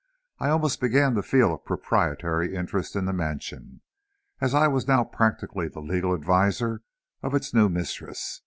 I almost began to feel a proprietary interest in the mansion, as I now was practically the legal adviser of its new mistress.